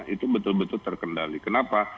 itu betul betul terkendali kenapa